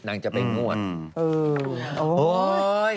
นางจะไปงวด